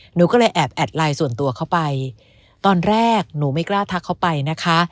หนูก็เลยแอบแอดไลน์ส่วนตัวเข้าไปตอนแรกหนูไม่กล้าทักเขาไปนะคะ